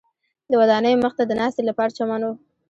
د ودانیو مخ ته د ناستې لپاره چمن و.